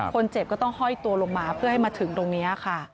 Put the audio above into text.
คนเจ็บก็ต้องห้อยตัวลงมาเพื่อให้มาถึงตรงนี้ค่ะ